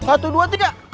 satu dua tiga